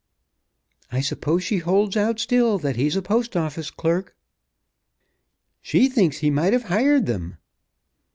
I suppose she holds out still that he's a Post Office clerk." "She thinks he might have hired them."